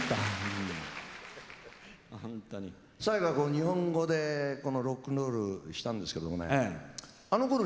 最後は日本語でロックンロ−ルしたんですけどもねあのころ